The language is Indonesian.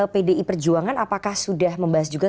pdi perjuangan apakah sudah membahas juga